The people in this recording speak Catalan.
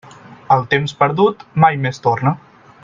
El temps perdut mai més torna.